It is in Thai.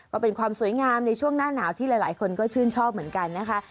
ก็เป็นความสวยงามในช่วงหน้าหนาวที่หลายคนก็ชื่นชอบเหมือนกันนะคะ